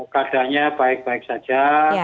keadaannya baik baik saja